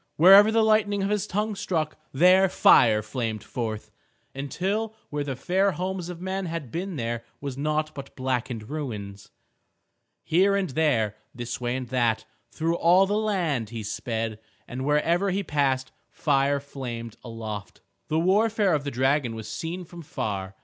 Wherever the lightning of his tongue struck, there fire flamed forth, until where the fair homes of men had been there was naught but blackened ruins. Here and there, this way and that, through all the land he sped, and wherever he passed fire flamed aloft. The warfare of the dragon was seen from far.